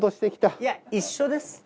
いや一緒です。